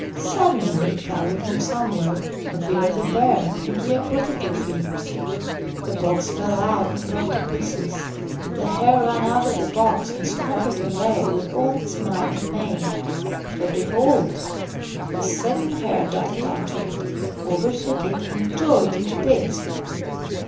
Suddenly, coming from somewhere, appeared a bear and he uprooted the tree. The box fell out and broke to pieces ; the hare ran out of the box and scampered away with all its might and main. But behold ! a second hare darted after it, overtook it, and tore it into bits.